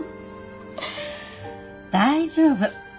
大丈夫。